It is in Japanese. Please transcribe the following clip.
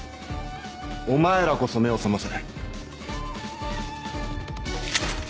お前らこそめをさませ。